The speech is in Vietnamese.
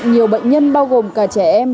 nhiều bệnh nhân bao gồm cả trẻ em